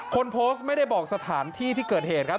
คนโพสต์ไม่ได้บอกสถานที่ที่เกิดเหตุครับ